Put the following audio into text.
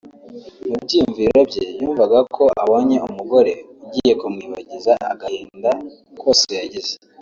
mu byiyumviro bye yumvaga y’uko abonye umugore ugiye kumwibagiza agahinda kose yagize